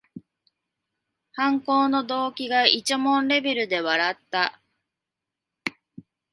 犯行の動機がいちゃもんレベルで笑った